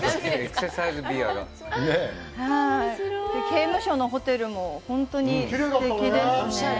刑務所のホテルも本当にすてきでしたね。